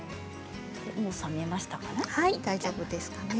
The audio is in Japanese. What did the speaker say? もう冷めましたね。